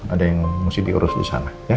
ada yang mesti diurus disana